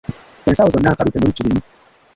Ensawo zonna nkalu temuli kirimu.